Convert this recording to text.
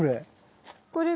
これ。